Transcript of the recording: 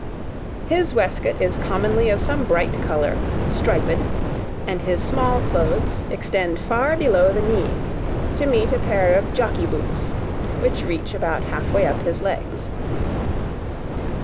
His waistcoat is commonly of some bright colour, striped; and his small clothes extend far below the knees, to meet a pair of jockey boots which reach about half way up his legs.